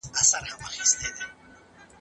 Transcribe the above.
ایا ډېر ږدن او پاڼي له کړکۍ څخه راځي؟